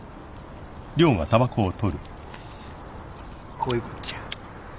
こういうこっちゃ。